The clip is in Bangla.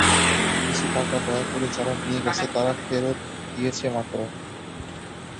কিছু টাকা দয়া করে যারা নিয়ে গেছে, তারা ফেরত দিয়েছে মাত্র।